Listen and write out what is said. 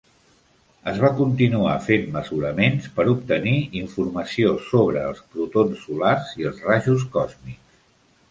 Es va continuar fent mesuraments per obtenir informació sobre els protons solars i els rajos còsmics.